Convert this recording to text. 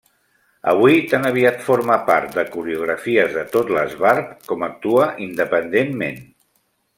Avui tan aviat forma part de coreografies de tot l'esbart com actua independentment.